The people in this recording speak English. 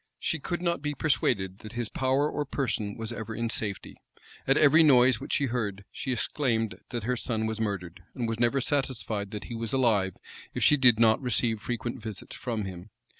She could not be persuaded that his power or person was ever in safety. At every noise which she heard, she exclaimed that her son was murdered; and was never satisfied that he was alive, if she did not receive frequent visits from him.